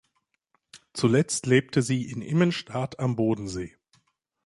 Zuletzt lebte sie in Immenstaad am Bodensee.